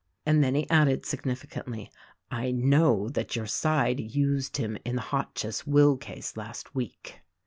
And then he added, significantly, "I knotv that your side used him in the Hotchiss will case last week."